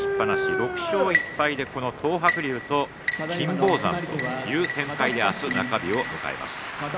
６勝１敗で東白龍と金峰山という展開で明日、中日を迎えます。